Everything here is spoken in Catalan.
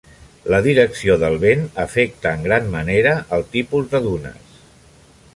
La direcció del vent afecta en gran manera el tipus de dunes.